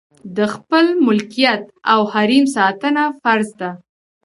د خپل ملکیت او حریم ساتنه فرض ده.